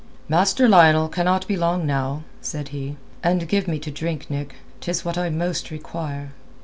"Master Lionel cannot be long now," said he. "And give me to drink, Nick. 'Tis what I most require."